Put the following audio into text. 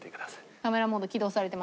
カメラモード起動されてますね？